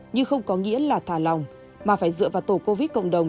nhưng không có nghĩa là thả lòng mà phải dựa vào tổ covid cộng đồng